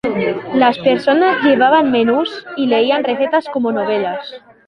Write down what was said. Las personas llevaban menús y leían recetas como novelas.